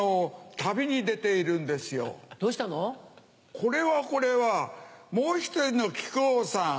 これはこれはもう１人の木久扇さん。